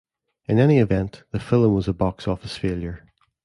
In any event, the film was a box office failure.